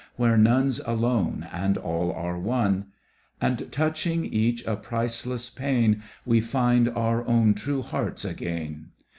Where none's alone and all are one ; And touching each a priceless pain We find our own true hearts again.